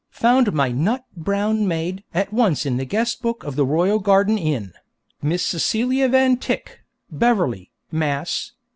Found my 'nut brown mayde' at once in the guest book of the Royal Garden Inn: 'Miss Celia Van Tyck, Beverly, Mass.